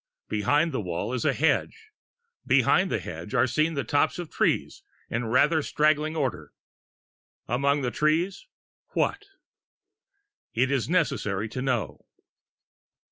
Behind the wall is a hedge; behind the hedge are seen the tops of trees in rather straggling order. Among the trees what? It is necessary to know.